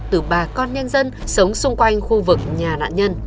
từ bà con nhân dân sống xung quanh khu vực nhà nạn nhân